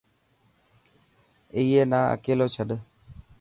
ائي نا اڪيلو ڇڏ.